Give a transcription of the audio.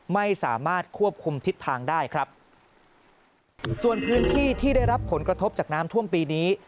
ไม่สามารถควบคุมทิศทางได้ครับส่วนพื้นที่ที่ได้รับผลกระทบจากน้ำท่วมปีนี้